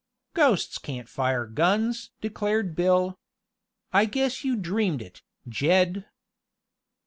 "Ghosts can't fire guns!" declared Bill. "I guess you dreamed it, Jed."